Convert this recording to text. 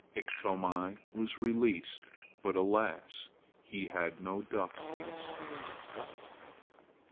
Iktomi was released. But alas! he had no duck feast.